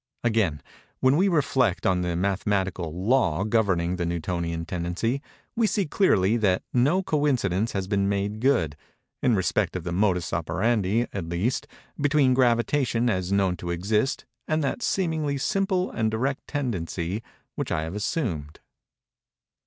Again; when we reflect on the mathematical law governing the Newtonian tendency, we see clearly that no coincidence has been made good, in respect of the modus operandi, at least, between gravitation as known to exist and that seemingly simple and direct tendency which I have assumed.